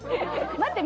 待って。